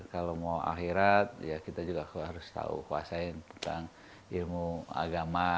kalau mau akhirat ya kita juga harus tahu kuasain tentang ilmu agama